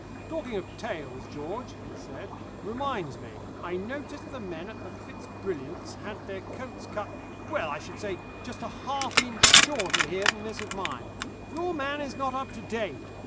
"Talking of tails, George," he said, "reminds me. I noticed the men at the Fitz Brilliants' had their coats cut well, I should say, just a half inch shorter here than this of mine. Your man is not up to date.